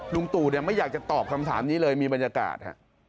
ตู่ไม่อยากจะตอบคำถามนี้เลยมีบรรยากาศ